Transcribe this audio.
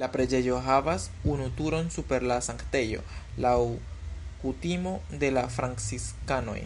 La preĝejo havas unu turon super la sanktejo laŭ kutimo de la franciskanoj.